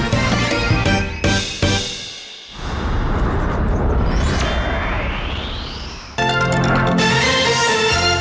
โปรดติดตามตอนต่อไป